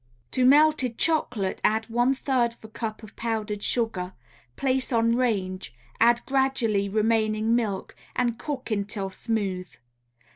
To melted chocolate add one third a cup of powdered sugar, place on range, add gradually remaining milk, and cook until smooth.